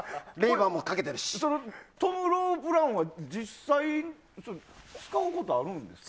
トム・ロープ・ランは実際使うことあるんですか？